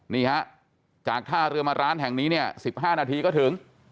นี่ฮะจากท่าเรือมาร้านแห่งนี้เนี่ย๑๕นาทีก็ถึง